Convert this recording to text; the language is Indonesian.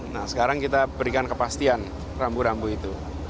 nah sekarang kita berikan kepastian rambu rambu itu